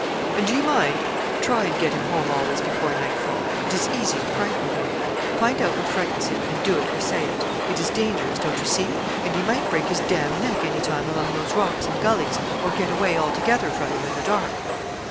'And do you mind, try and get him home always before nightfall. It is easy to frighten him. Find out what frightens him, and do it or say it. It is dangerous, don't you see? and he might break his d d neck any time among those rocks and gullies, or get away altogether from you in the dark.'